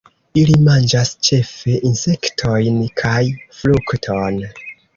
Ili manĝas ĉefe insektojn kaj frukton.